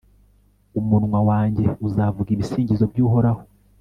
umunwa wanjye uzavuga ibisingizo by'uhoraho